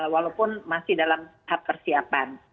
walaupun masih dalam tahap persiapan